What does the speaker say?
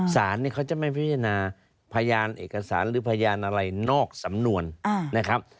สารเนี่ยเขาจะไม่พิจารณาพยานเอกสารหรือพยานอะไรนอกสำนวนนะครับ